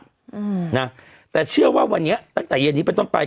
อืมนะแต่เชื่อว่าวันนี้ตั้งแต่เย็นนี้เป็นต้นไป